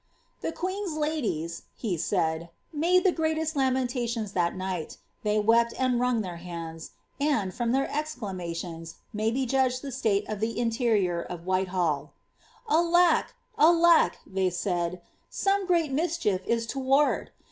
^The queen's ladies," he said, ^ made. the greatest lamentations thtt night ; they wept and wrung their hands ; and, from their exclamationi» may be judged the state of the interior of WhitqbalL ^ Alack, alack*^ they said, ^some great mischief is toward!